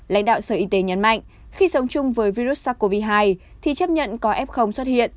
lãnh đạo sở y tế nhấn mạnh khi sống chung với virus sars cov hai thì chấp nhận có f xuất hiện